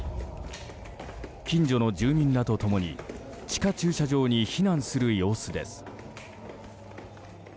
近所の住民らと共に地下駐車場に避難する様子です。